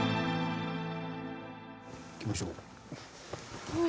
行きましょう。